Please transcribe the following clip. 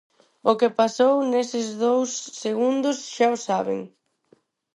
O que pasou neses dous segundos xa o saben.